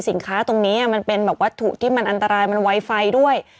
สินค้าตรงนี้มันเป็นแบบวัตถุที่มันอันตรายมันไวไฟด้วย